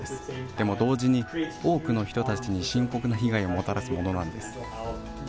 でも同時に、多くの人たちに深刻な被害をもたらすものなんです。